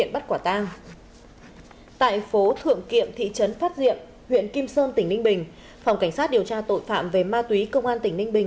tại phố thượng kiệm thị trấn phát diệm huyện kim sơn tỉnh ninh bình phòng cảnh sát điều tra tội phạm về ma túy công an tỉnh ninh bình